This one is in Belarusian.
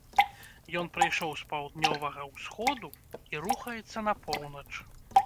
Ён прыйшоў з паўднёвага ўсходу і рухаецца на поўнач.